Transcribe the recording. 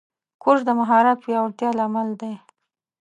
کورس د مهارت پیاوړتیا لامل دی.